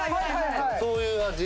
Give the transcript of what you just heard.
そういう味